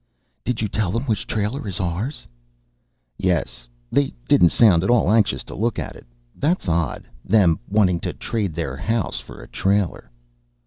"Did you tell them which trailer is ours?" "Yes. They didn't sound at all anxious to look at it. That's odd them wanting to trade their house for a trailer."